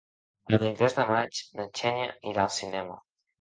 El vint-i-tres de maig na Xènia irà al cinema.